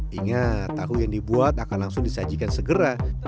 ingat tahu yang dibuat akan langsung disajikan segera